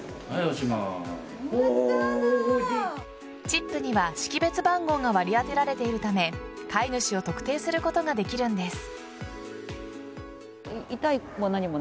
チップには識別番号が割り当てられているため飼い主を特定することができるんです。